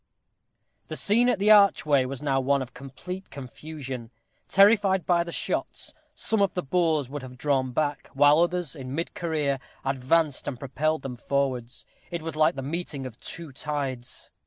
The scene at the archway was now one of complete confusion. Terrified by the shots, some of the boors would have drawn back, while others, in mid career, advanced, and propelled them forwards. It was like the meeting of two tides.